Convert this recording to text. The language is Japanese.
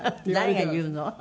誰が言うの？